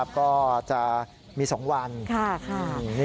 ก็จะมีสองวัน